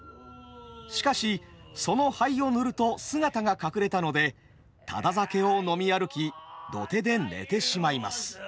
しかしその灰を塗ると姿が隠れたのでタダ酒を飲み歩き土手で寝てしまいます。